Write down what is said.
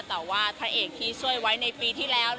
แต่ว่าพระเอกที่ช่วยไว้ในปีที่แล้ว